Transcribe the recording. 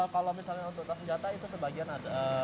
kalau misalnya untuk senjata itu sebagian ada